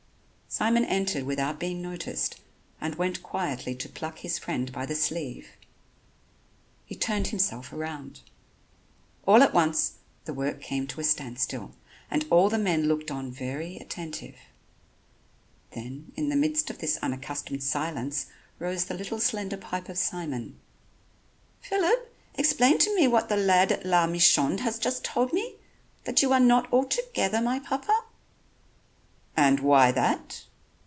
Simon entered without being noticed and went quietly to pluck his friend by the sleeve. He turned himself round. All at once the work came to a standstill and all the men looked on very attentive. Then, in the midst of this unaccustomed silence, rose the little slender pipe of Simon: "Phillip, explain to me what the lad at La Michande has just told me, that you are not altogether my Papa." "And why that?"